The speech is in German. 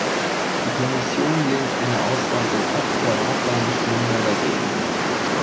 Die Kommission lehnt eine Ausweitung ab, der Rat war nicht minder dagegen.